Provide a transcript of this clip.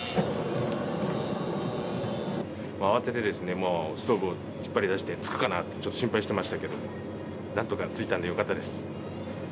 慌ててストーブを引っ張り出して、つくかな？ってちょっと心配してましたけど、なんとかついたんでよかったです。